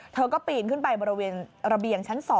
เธอก็ปีนขึ้นไปบริเวณระเบียงชั้น๒